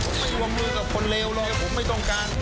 ผมไม่วงมือกับคนเลวเลยผมไม่ต้องการ